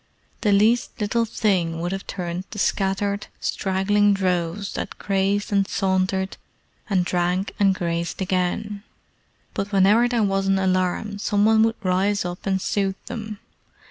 The least little thing would have turned the scattered, straggling droves that grazed and sauntered and drank and grazed again; but whenever there was an alarm some one would rise up and soothe them.